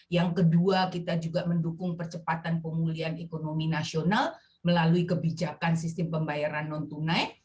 yang kedua kita juga mendukung percepatan pemulihan ekonomi nasional melalui kebijakan sistem pembayaran non tunai